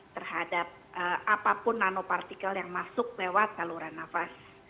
terhadap apapun nanopartikel yang masuk lewat saluran nafas